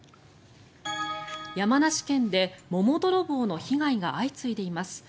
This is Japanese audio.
山梨県で桃泥棒の被害が相次いでいます。